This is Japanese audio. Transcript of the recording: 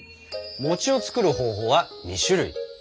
餅を作る方法は２種類。